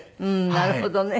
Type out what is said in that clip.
なるほどね。